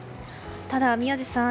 ただ、宮司さん